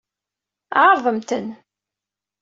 Ɛeṛḍemt-ten.